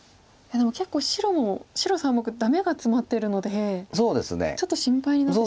でも結構白も白３目ダメがツマってるのでちょっと心配になってしまうんですが。